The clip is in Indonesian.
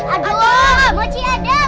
aduh mochi adam